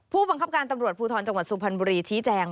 ผู้บังคับการตำรวจภูทรจังหวัดสุพรรณบุรีชี้แจง